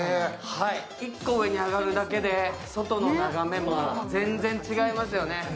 １個上に上がるだけで、外の眺めも全然違いますよね。